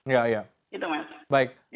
ya ya itu maksud saya